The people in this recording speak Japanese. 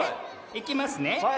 いきます！